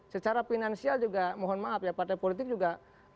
secara finansial juga mohon maaf ya partai politik juga